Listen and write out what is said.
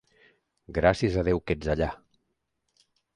Gràcies a Déu que ets allà!